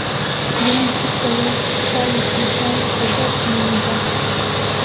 دەمی کردوە و چاوی قوچاند، هەزار جنێوی دا: